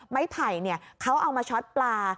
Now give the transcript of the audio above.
ไม้ไผ่เนี่ยเขาเอามาช็อตปลา